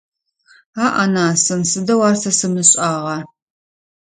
Аӏ-анасын, сыдэу ар сэ сымышӏагъа!